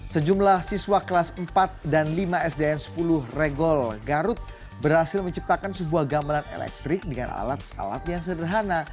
sejumlah siswa kelas empat dan lima sdn sepuluh regol garut berhasil menciptakan sebuah gambaran elektrik dengan alat alat yang sederhana